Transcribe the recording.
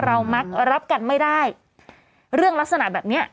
มักรับกันไม่ได้เรื่องลักษณะแบบเนี้ย